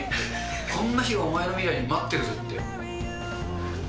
こんな日がお前の未来に待ってるぜって。